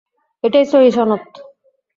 এটাই সহীহ সনদ।